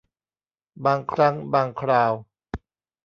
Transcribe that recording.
บางครั้งบางคราว